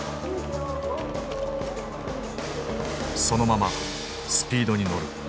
そのままスピードに乗る。